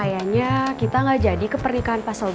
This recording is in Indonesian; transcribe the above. nanti mah kita ke tempat yang sama